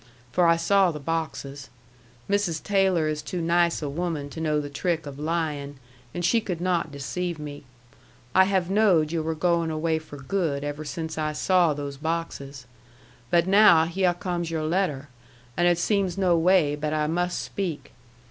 For I saw the boxes. Mrs. Taylor is too nice a woman to know the trick of lyin', and she could not deceive me. I have knowed yu' were going away for good ever since I saw those boxes. But now hyeh comes your letter, and it seems no way but I must speak.